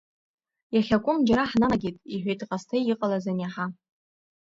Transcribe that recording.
Иахьакәым џьара ҳнанагеит, – иҳәеит Ҟасҭеи иҟалаз аниаҳа.